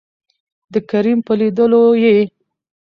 دکريم په لېدولو يې